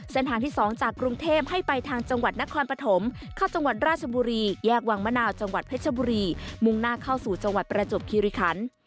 ที่๒จากกรุงเทพให้ไปทางจังหวัดนครปฐมเข้าจังหวัดราชบุรีแยกวังมะนาวจังหวัดเพชรบุรีมุ่งหน้าเข้าสู่จังหวัดประจวบคิริคัน